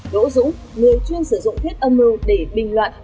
đỗ dũng người chuyên sử dụng thuyết âm mưu để bình loạn